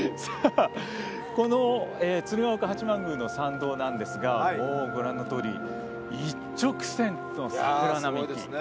この鶴岡八幡宮の参道なんですがご覧のとおり、一直線の桜並木。